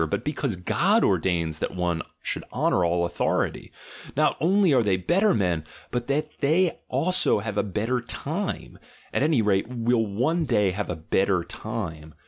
But because God ordains that one should honour all authority) — not only are they better men, but that they also have a 'better time,' at any rate, will one day have a 'better time.'